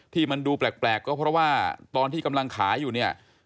ที่มันดูแปลกก็เพราะว่าตอนที่กำลังขายอยู่เนี่ย